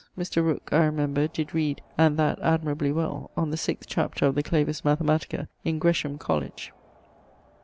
☞ Mr. Rooke (I remember) did read (and that admirably well) on the sixth chapter of the Clavis Mathematica in Gresham Colledge.